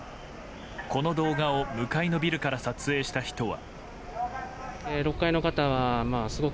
この動画を向かいのビルから撮影した人は。